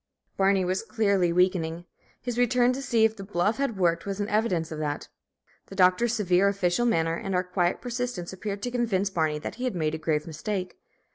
Barney was clearly weakening. His return to see if the "bluff" had worked was an evidence of that. The Doctor's severe official manner, and our quiet persistence appeared to convince Barney that he had made a grave mistake.